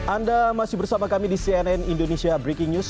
anda masih bersama kami di cnn indonesia breaking news